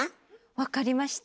分かりました。